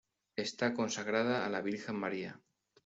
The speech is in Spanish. Está consagrada a la Virgen María.